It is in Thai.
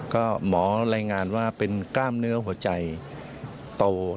ก็หมอรายงานว่าเป็นกล้ามเนื้อหัวใจโต